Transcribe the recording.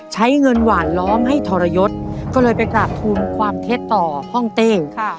ใช้เงินหวานล้อมให้ทรยศก็เลยไปกราบทุนความเท็จต่อห้องเต้ง